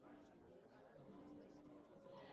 বিহারী গম্ভীরমুখে কহিল, এখনি সেখান হইতে আসিতেছি।